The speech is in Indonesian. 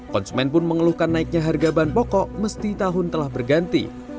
konsumen pun mengeluhkan naiknya harga bahan pokok mesti tahun telah berganti